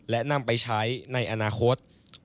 และนำไปใช้ในอนาคต